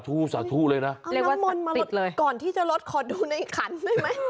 เรียกว่าสัตว์ติดเลยน้ำมนต์มาก่อนที่จะลดขอดูในขันได้ไหม